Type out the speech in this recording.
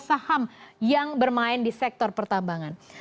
jadi ini juga memang sektor yang sangat berpengaruh